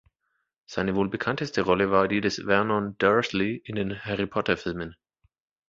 Seine wohl bekannteste Rolle war die des "Vernon Dursley" in den Harry-Potter-Filmen.